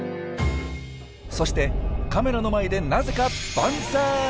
そしてカメラの前でなぜかバンザイ！